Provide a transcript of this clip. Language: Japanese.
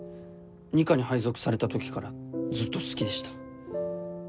二課に配属されたときからずっと好きでした。